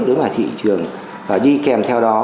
đối với thị trường và đi kèm theo đó